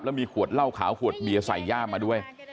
แล้วมีขวดเหล้าขาวขวดเบียร์ใส่ย่ามมาด้วย